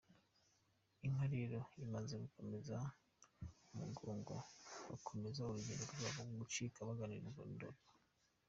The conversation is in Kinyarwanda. Inka rero imaze gukomeza umugongo, bakomeza urugendo rwabo rwo gucika, bagana i Ndorwa.